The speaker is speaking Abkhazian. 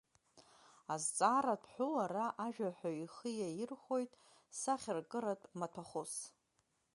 Азҵааратә ҳәоу ара ажәаҳәаҩ ихы иаирхәоит сахьаркыратә маҭәахәыс.